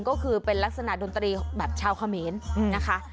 ก็คือเป็นลักษณะดนตรีแบบชาวเขมรนะคะ